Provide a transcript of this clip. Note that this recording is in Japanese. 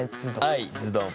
「愛ズドン」。